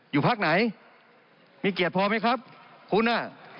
อยู่พักไหนมีเกียรติพอไหมครับคุณอ่ะ